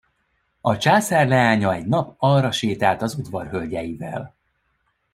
A császár leánya egy nap arra sétált az udvarhölgyeivel.